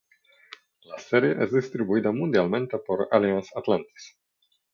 La serie es distribuida mundialmente por Alliance Atlantis.